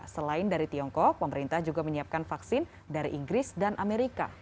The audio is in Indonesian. selain dari tiongkok pemerintah juga menyiapkan vaksin dari inggris dan amerika